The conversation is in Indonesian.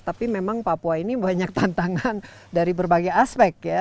tapi memang papua ini banyak tantangan dari berbagai aspek ya